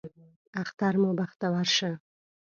اختر مو بختور شه